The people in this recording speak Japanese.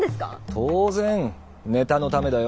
当然ネタのためだよ。